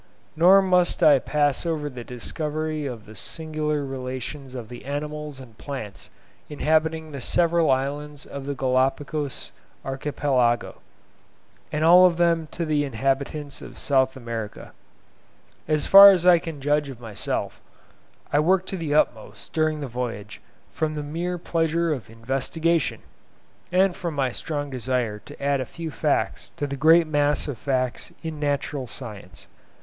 Nor must I pass over the discovery of the singular relations of the animals and plants inhabiting the several islands of the Galapagos archipelago, and of all of them to the inhabitants of South America. As far as I can judge of myself, I worked to the utmost during the voyage from the mere pleasure of investigation, and from my strong desire to add a few facts to the great mass of facts in Natural Science.